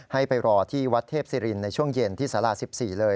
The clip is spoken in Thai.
ให้ไปรอที่วัดเทพศิรินในช่วงเย็นที่สารา๑๔เลย